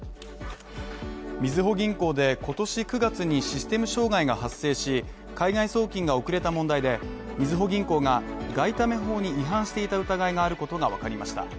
みずほ銀行で今年９月にシステム障害が発生し、海外送金が遅れた問題で、みずほ銀行が、外為法に違反していた疑いがあることがわかりました。